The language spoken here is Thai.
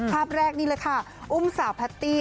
ภาพแรกนี่เลยค่ะอุ้มสาวแพตตี้